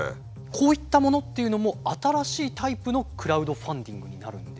こういったものっていうのも新しいタイプのクラウドファンディングになるんでしょうか？